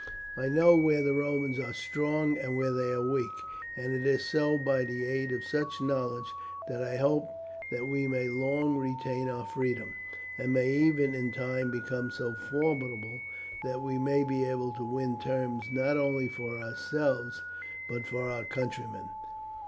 I know where the Romans are strong and where they are weak; and it is by the aid of such knowledge that I hope that we may long retain our freedom, and may even in time become so formidable that we may be able to win terms not only for ourselves but for our countrymen.